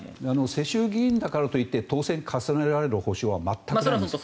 世襲議員だからと言って当選を重ねられる保証は全くないです。